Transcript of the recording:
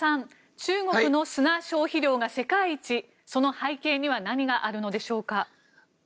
中国の砂消費量が世界一その背景には何があるのでしょうか。